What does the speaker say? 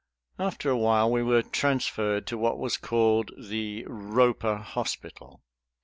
After a while we were transferred to what was called the "Roper Hospital."